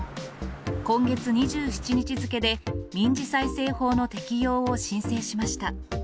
今月２７日付で、民事再生法の適用を申請しました。